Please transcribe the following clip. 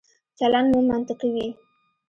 چلند مو منطقي وي.